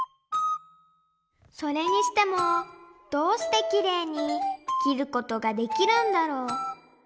それにしてもどうしてきれいに切ることができるんだろう？